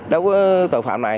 đối với tội phạm này